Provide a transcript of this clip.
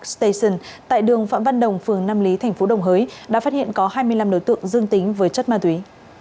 bảy ba station tại đường phạm văn đồng phường nam lý tp đồng hới đã phát hiện có hai mươi năm đối tượng dương tính với chất ma túy